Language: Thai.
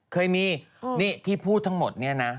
เคยมีนี่ที่พูดทั้งหมดเนี่ยนะ